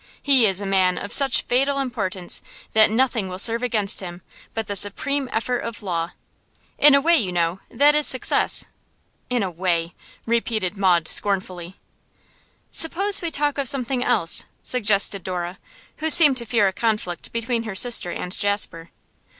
He is a man of such fatal importance that nothing will serve against him but the supreme effort of law. In a way, you know, that is success.' 'In a way,' repeated Maud, scornfully. 'Suppose we talk of something else,' suggested Dora, who seemed to fear a conflict between her sister and Jasper.